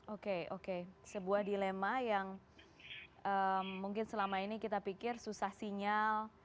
oke oke sebuah dilema yang mungkin selama ini kita pikir susah sinyal